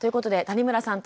谷村さん